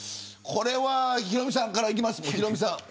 ヒロミさんからいきます。